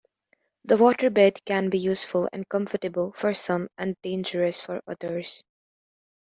The waterbed can be useful and comfortable for some and dangerous for others.